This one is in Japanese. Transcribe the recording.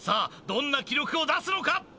どんな記録を出すのか？